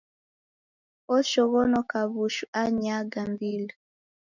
Oshoghonoka w'ushu anyaa gambili.